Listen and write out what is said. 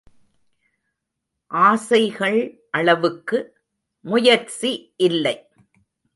ஆசைகள் அளவுக்கு முயற்சி இல்லை.